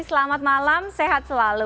selamat malam sehat selalu